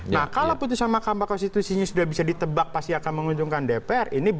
nah kalau putusan mahkamah konstitusinya sudah bisa ditebak pasti akan menguntungkan dpr